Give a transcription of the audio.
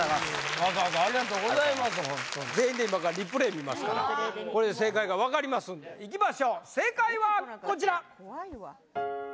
わざわざありがとうございます全員で今からリプレイ見ますからこれで正解が分かりますいきましょう正解はこちら！